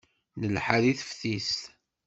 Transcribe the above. Nelḥa deg teftist.